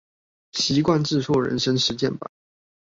習慣致富人生實踐版